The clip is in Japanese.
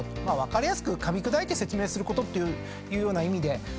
まあ分かりやすくかみ砕いて説明することというような意味で。